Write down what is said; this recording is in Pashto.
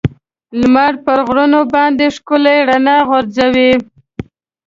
لمر په غرونو باندې ښکلي رڼا غورځوي.